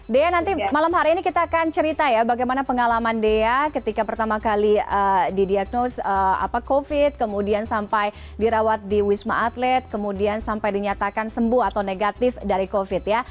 dea nanti malam hari ini kita akan cerita ya bagaimana pengalaman dea ketika pertama kali didiagnose covid kemudian sampai dirawat di wisma atlet kemudian sampai dinyatakan sembuh atau negatif dari covid ya